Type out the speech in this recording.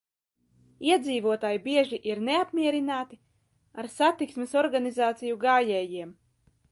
Iedzīvotāji bieži ir neapmierināti ar satiksmes organizāciju gājējiem.